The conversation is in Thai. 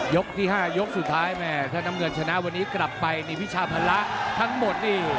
ยกที่๕ยกสุดท้ายแม่ถ้าน้ำเงินชนะวันนี้กลับไปนี่วิชาภาระทั้งหมดนี่